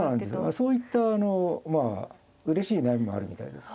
そういったまあうれしい悩みもあるみたいです。